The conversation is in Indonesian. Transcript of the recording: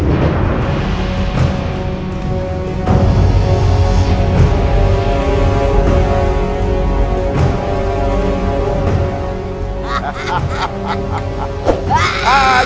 tidak bel fight